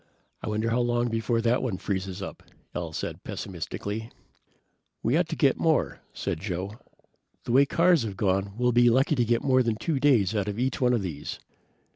"I wonder how long before that one freezes up," Al said pessimistically. "We ought to get more," said Joe. "The way the cars have gone we'll be lucky to get more than 2 days out of each one of these."